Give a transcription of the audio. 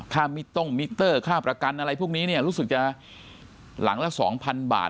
ค่ามิตรค่าประกันอะไรพวกนี้รู้สึกจะหลังละ๒๐๐๐บาท